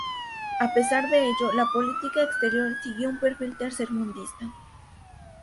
A pesar de ello, la política exterior siguió un perfil tercermundista.